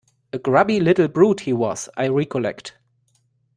A grubby little brute he was, I recollect.